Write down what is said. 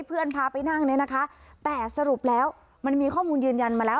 เพื่อนพาไปนั่งเนี่ยนะคะแต่สรุปแล้วมันมีข้อมูลยืนยันมาแล้ว